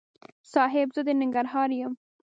صاحب! زه د ننګرهار یم.